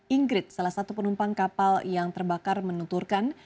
ingrid salah satu penumpang kapal yang terbakar menunturkan